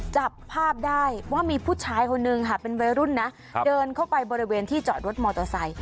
จับภาพได้ว่ามีผู้ชายคนนึงค่ะเป็นวัยรุ่นนะเดินเข้าไปบริเวณที่จอดรถมอเตอร์ไซค